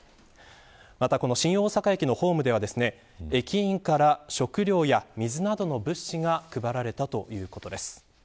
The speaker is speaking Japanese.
また、この新大阪駅のホームでは駅員から食料や水などの物資が配られたということです。